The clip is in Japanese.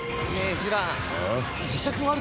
ジュラン。